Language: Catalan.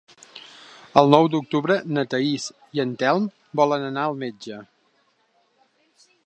El nou d'octubre na Thaís i en Telm volen anar al metge.